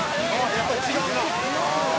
「やっぱり違うな」